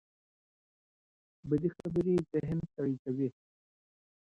بدې خبرې ذهن ستړي کوي